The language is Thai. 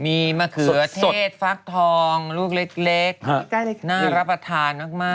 มีมะเขือเทศฟักทองลูกเล็กไอ้ก่ายน่ารับอาทานมาก